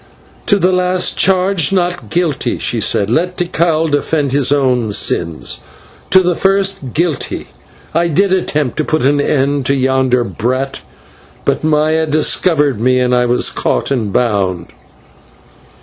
"To the last charge, not guilty," she said. "Let Tikal defend his own sins. To the first, guilty. I did attempt to put an end to yonder brat, but Maya discovered me, and I was caught and bound."